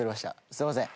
すいません。